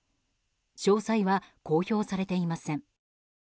詳細は公表されていません。